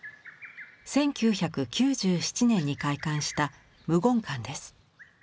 １９９７年に開館した無言館です。